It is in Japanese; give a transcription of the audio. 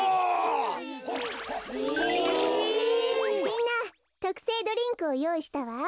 みんなとくせいドリンクをよういしたわ。